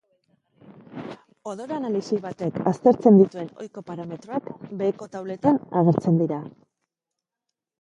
Odol-analisi batek aztertzen dituen ohiko parametroak beheko tauletan agertzen dira.